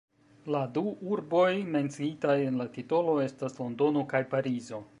La du urboj menciitaj en la titolo estas Londono kaj Parizo.